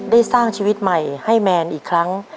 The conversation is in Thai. สร้างชีวิตใหม่ให้แมนอีกครั้ง